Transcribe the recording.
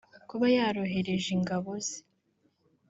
kuba yarohereje ingabo ze